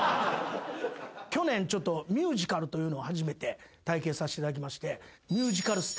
去年ちょっとミュージカルというのを初めて体験させていただきまして。